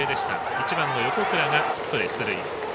１番の横倉がヒットで出塁。